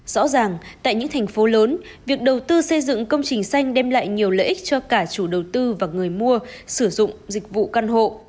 rõ ràng tại những thành phố lớn việc đầu tư xây dựng công trình xanh đem lại nhiều lợi ích cho cả chủ đầu tư và người mua sử dụng dịch vụ căn hộ